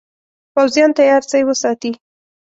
پوځیان تیار سی وساتي.